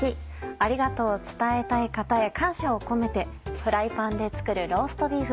「ありがとう」を伝えたい方へ感謝を込めてフライパンで作るローストビーフ。